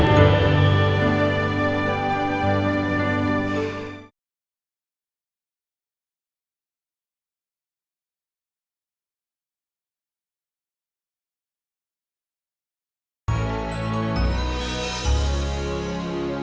jangan senyum banyak biar cepa sembuh